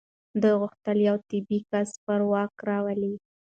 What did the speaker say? دوی غوښتل یو تابع کس پر واک راولي.